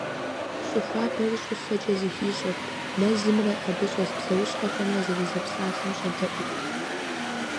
Щӏы хуабэр щӏыфэкӏэ зэхищӏэрт, мэзымрэ, абы щӏэс псэущхьэхэмрэ зэрызэпсалъэм щӏэдэӏурт.